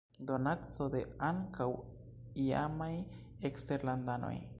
Donaco de ankaŭ iamaj eksterlandanoj.